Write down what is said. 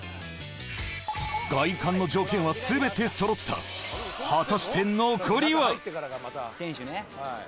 外観の条件は全てそろった果たして残りは？